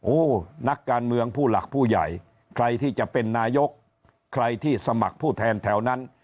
โอ้โหนักการเมืองผู้หลักผู้ใหญ่ใครที่จะเป็นนายกใครที่สมัครผู้แทนแถวนั้น